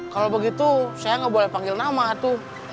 kalau begitu saya gak boleh panggil nama atu